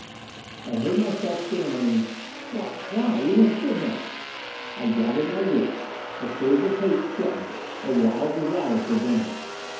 I heard myself stammering, "Why why we must get him!" I gathered my wits; a surge of hate swept me; a wild desire for vengeance.